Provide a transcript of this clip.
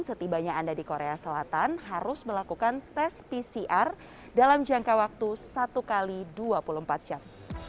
setibanya anda di korea selatan harus melakukan tes pcr dalam jangka waktu satu x dua puluh empat jam